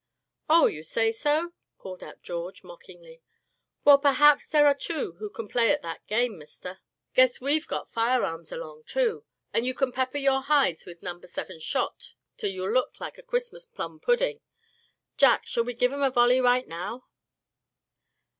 "Oh! say you so?" called out George, mockingly, "well, perhaps there are two who can play at that game, mister. Guess we've got firearms along, too; and can pepper your hides with Number Seven shot till you'll look like a Christmas plum pudding. Jack, shall we give 'em a volley right now?"